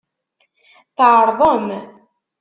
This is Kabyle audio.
Tɛeṛḍem.